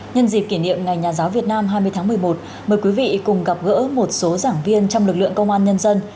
nhân dịp kỷ niệm ngày nhà giáo việt nam hai mươi tháng một mươi một mời quý vị cùng gặp gỡ một số giảng viên trong lực lượng công an nhân dân